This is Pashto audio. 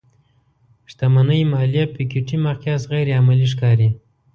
شتمنۍ ماليه پيکيټي مقیاس غیر عملي ښکاري.